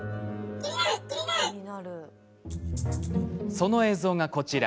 その映像がこちら。